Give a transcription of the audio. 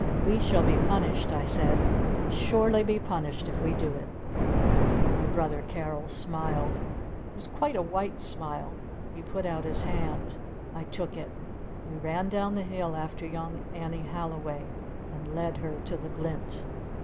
"We shall be punished!" I said. "We'll surely be punished if we do it!" My brother Carol smiled. It was quite a white smile. He put out his hand. I took it. We ran down the hill after young Annie Halliway! And led her to the glint!